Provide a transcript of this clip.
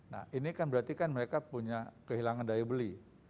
nah ini kan berarti kan mereka punya kehilangan daya beli